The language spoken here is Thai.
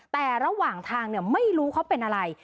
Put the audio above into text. แต่ระหว่างทางไม่รู้เขาเป็นอะไร